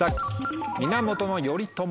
「源頼朝」。